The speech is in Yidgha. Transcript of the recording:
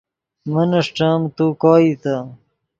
من اݰٹیم تو کوئیتے